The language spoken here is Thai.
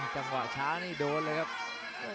จังหวะช้านี่โดนเลยครับ